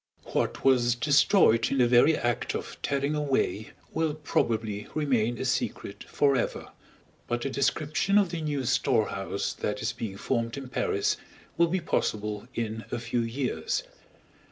What was destroyed in the very act of tearing away will probably remain a secret forever; but a description of the new storehouse that is being formed in Paris will be possible in a few years.